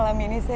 jauh dari rumah